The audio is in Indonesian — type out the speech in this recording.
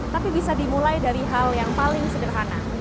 tapi bisa dimulai dari hal yang paling sederhana